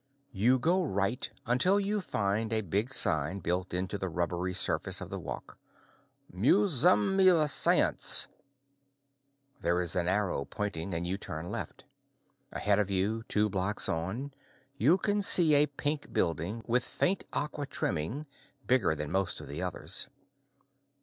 You go right until you find a big sign built into the rubbery surface of the walk: Miuzi:m *v Syens. There's an arrow pointing and you turn left. Ahead of you, two blocks on, you can see a pink building, with faint aqua trimming, bigger than most of the others.